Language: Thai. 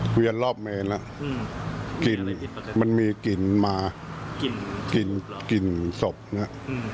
ครับเพราะเขาเป็นห่วงลูกเขา